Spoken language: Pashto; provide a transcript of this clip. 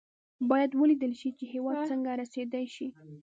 باید ولېدل شي چې هېواد څنګه رسېدای شي.